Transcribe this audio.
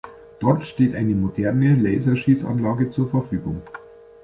Dort steht eine moderne Laser-Schießanlage zur Verfügung.